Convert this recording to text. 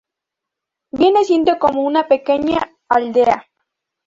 Viene siendo como una pequeña aldea.